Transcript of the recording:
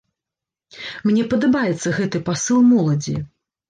Мне падабаецца гэты пасыл моладзі.